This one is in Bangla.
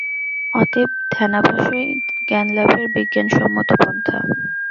অতএব ধ্যানাভ্যাসই জ্ঞানলাভের বিজ্ঞানসম্মত পন্থা।